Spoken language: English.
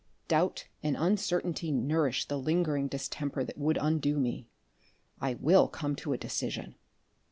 Doubt and uncertainty nourish the lingering distemper that would undo me. I will come to a decision."